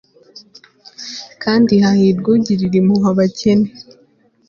kandi hahirwa ugirira impuhwe abakene